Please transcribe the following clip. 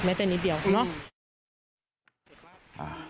ไม่แต่นิดเดียวเนอะ